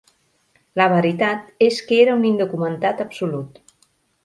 La veritat és que era un indocumentat absolut.